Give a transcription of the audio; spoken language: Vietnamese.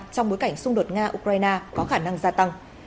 trong bối cảnh xung đột nga ukraine có khả năng gia tăng